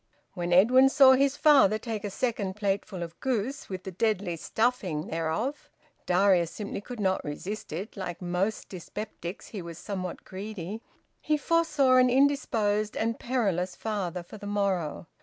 When Edwin saw his father take a second plateful of goose, with the deadly stuffing thereof Darius simply could not resist it, like most dyspeptics he was somewhat greedy he foresaw an indisposed and perilous father for the morrow.